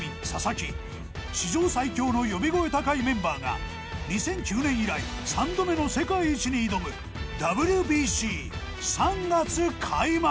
史上最強の呼び声高いメンバーが２００９年以来３度目の世界一に挑むＷＢＣ３月開幕。